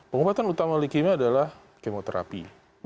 pengobatan utama leukemia adalah kemoterapi